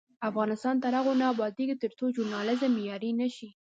افغانستان تر هغو نه ابادیږي، ترڅو ژورنالیزم معیاري نشي.